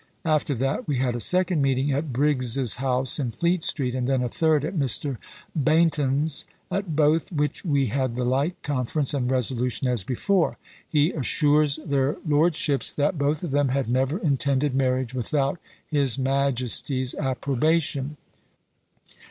After that we had a second meeting at Briggs's house in Fleet street, and then a third at Mr. Baynton's; at both which we had the like conference and resolution as before." He assures their lordships that both of them had never intended marriage without his majesty's approbation.